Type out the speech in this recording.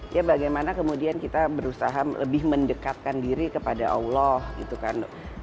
ya bagaimana kemudian kita berusaha lebih mendekatkan diri kepada allah gitu kan